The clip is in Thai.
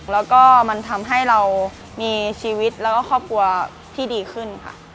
แล้วก็มันทำให้เรามีชีวิตแล้วก็ครอบครัวที่ดีขึ้นค่ะ